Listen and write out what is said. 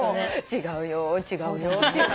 違うよ違うよって。